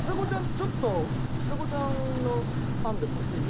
ちょっとちさ子ちゃんの案でもいいよ。